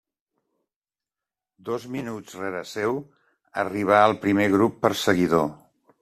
Dos minuts rere seu arribà el primer grup perseguidor.